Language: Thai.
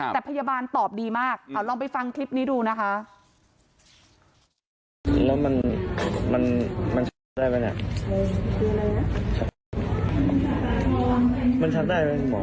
แต่พยาบาลตอบดีมากเอาลองไปฟังคลิปนี้ดูนะคะ